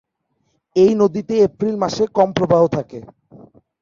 এই নদীতে এপ্রিল মাসে কম প্রবাহ থাকে।